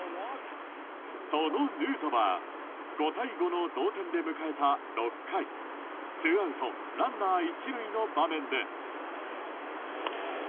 そのヌートバー５対５の同点で迎えた６回ツーアウトランナー１塁の場面で。